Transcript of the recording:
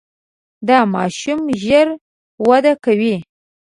دا ماشوم ژر وده کوي.